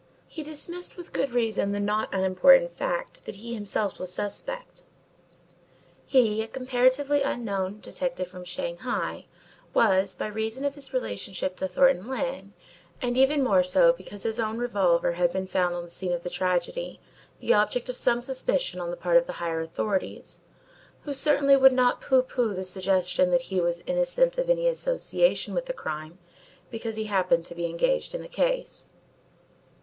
He dismissed with good reason the not unimportant fact that he himself was suspect. He, a comparatively unknown detective from Shanghai was by reason of his relationship to Thornton Lyne, and even more so because his own revolver had been found on the scene of the tragedy, the object of some suspicion on the part of the higher authorities who certainly would not pooh pooh the suggestion that he was innocent of any association with the crime because he happened to be engaged in the case.